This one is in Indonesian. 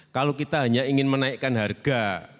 kalau kita hanya ingin menaikkan harga